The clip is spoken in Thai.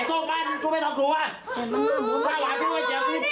ตอนนี้มันป์โน่งกลับไปได้